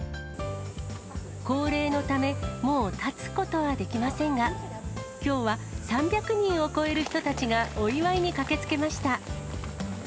高齢のため、もう立つことはできませんが、きょうは３００人を超える人たちがお祝いに駆けつけました。